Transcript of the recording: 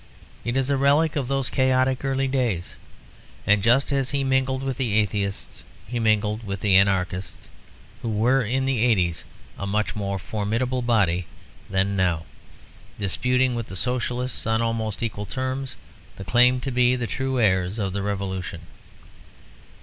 It is a relic of those chaotic early days. And just as he mingled with the atheists he mingled with the anarchists, who were in the eighties a much more formidable body than now, disputing with the Socialists on almost equal terms the claim to be the true heirs of the Revolution.